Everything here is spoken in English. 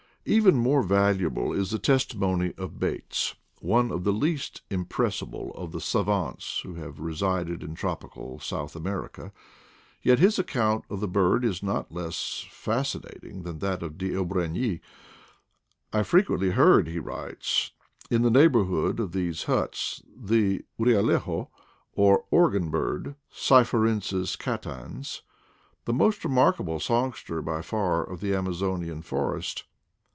Even more valuable is the testimony of Bates, one of the least impressible of the savants who have resided in tropical South America; yet his account of the bird is not less fascinating than that of D'Orbigny. "I frequently heard,' ' he writes, "in the neighborhood of these huts the re alejo, or organ bird (Cyphorhinus cantans), the most remarkable songster by far of the Amazonian forest.